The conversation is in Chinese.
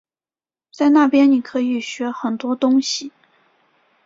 在那边你可以学很多东西